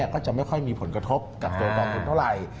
ก็จะไม่ค่อยมีผลกระทบกับตัวกองทุนเท่าไหร่